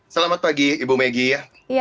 selamat pagi ibu megi